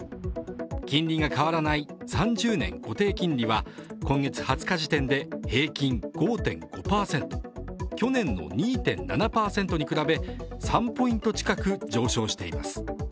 金利が変わらない３０年固定金利は今月２０日時点で平均５．５％、去年の２．７％に比べ、３ポイント近く上昇しています。